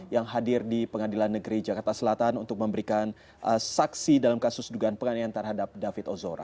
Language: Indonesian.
yang hadir di pengadilan negeri jakarta selatan untuk memberikan saksi dalam kasus dugaan penganiayaan terhadap david ozora